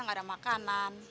ga ada makanan